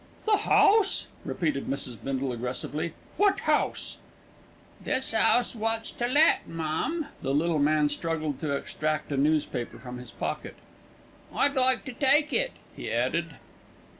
"The house!" repeated Mrs. Bindle aggressively. "What house?" "This 'ouse wot's to let, mum." The little man struggled to extract a newspaper from his pocket. "I'd like to take it," he added.